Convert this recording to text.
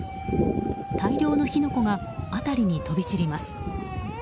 大量の火の粉が辺りに飛び散ります。